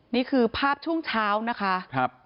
นี่คือภาพช่วงเช้านะคะ